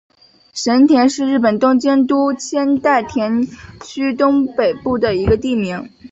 神田是日本东京都千代田区东北部的一个地名。